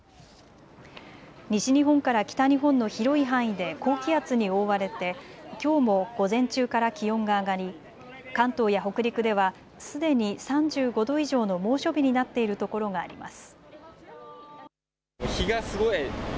西日本から北日本の広い範囲で高気圧に覆われてきょうも午前中から気温が上がり関東や北陸ではすでに３５度以上の猛暑日になっているところがあります。